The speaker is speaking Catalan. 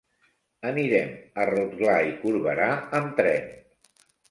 Anirem a Rotglà i Corberà amb tren.